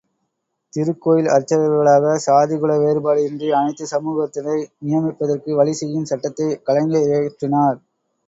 திருக்கோயில் அர்ச்சகர்களாக சாதி, குல வேறுபாடின்றி அனைத்துச் சமூகத்தினரை நியமிப்பதற்கு வழி செய்யும் சட்டத்தை கலைஞர் இயற்றினார்.